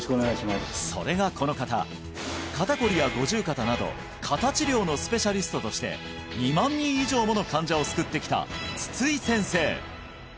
それがこの方肩こりや五十肩など肩治療のスペシャリストとして２万人以上もの患者を救ってきた筒井先生